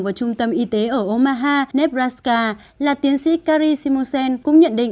và trung tâm y tế ở omaha nebraska là tiến sĩ kari simosen cũng nhận định